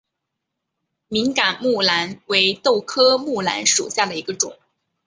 敏感木蓝为豆科木蓝属下的一个种。